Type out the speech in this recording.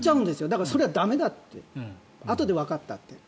だからそれは駄目だってあとでわかったって。